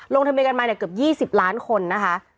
ลงทะเบียนกันมาเกือบ๒๐ล้านคนนะคะ